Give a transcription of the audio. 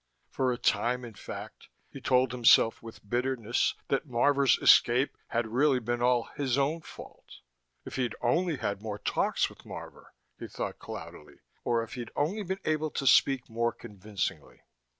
For a time, in fact, he told himself with bitterness that Marvor's escape had really been all his own fault. If he'd only had more talks with Marvor, he thought cloudily, or if he'd only been able to speak more convincingly....